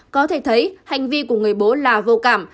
có thể thấy hành vi của người bố là vô cảm